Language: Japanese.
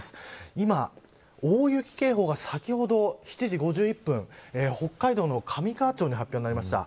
今、大雪警報が先ほど７時５１分北海道の上川町に発表になりました。